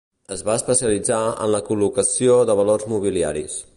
Es va especialitzar en la col·locació de valors mobiliaris.